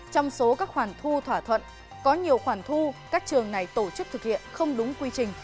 trong số các khoản thu thỏa thuận có nhiều khoản thu các trường này tổ chức thực hiện không đúng quy trình